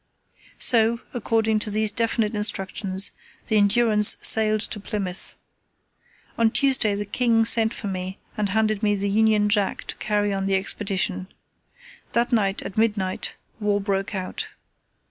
So, according to these definite instructions, the Endurance sailed to Plymouth. On Tuesday the King sent for me and handed me the Union Jack to carry on the Expedition. That night, at midnight, war broke out.